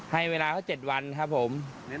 ให้เวลาเขา๗วันครับผม